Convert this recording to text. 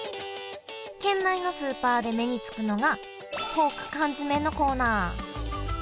県内のスーパーで目に付くのがポーク缶詰のコーナー。